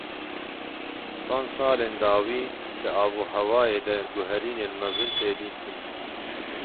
Van salên dawî di avûhewayê de guherînên mezin tê dîtin.